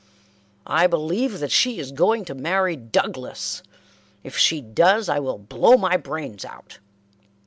I believe that she is going to marry Douglas. If she does I will blow my brains out."